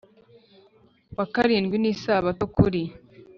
wa karindwi ni isabato Kuri